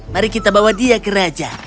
mari kita bawa dia ke raja